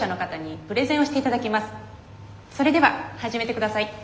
それでは始めて下さい。